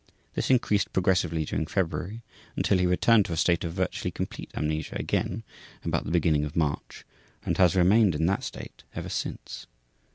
This increased progressively during February, until he returned to a state of virtually complete amnesia again about the beginning of March, and he has remained in that state ever since.